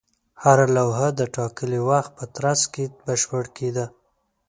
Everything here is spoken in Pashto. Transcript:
هره لوحه د ټاکلي وخت په ترڅ کې بشپړه کېده.